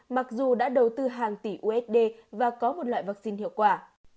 mặc dù đã đầu tư hàng tỷ usd và có một loại vắc xin hiệu quả